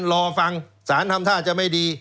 รอฟังสารทำท่าจะไม่ดี